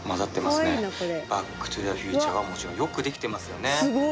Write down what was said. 「バック・トゥ・ザ・フューチャー」はもちろんよく出来てますよね。